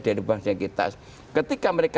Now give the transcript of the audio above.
dari bangsa kita ketika mereka